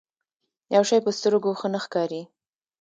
يو شی په سترګو ښه نه ښکاري.